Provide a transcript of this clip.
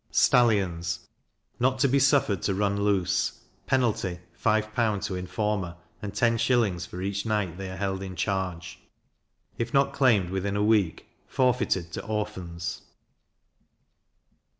Stallions not to be suffered to run loose; penalty, 5L. to informer, and 10s. for each night they are held in charge: If not claimed within a week, forfeited to Orphans.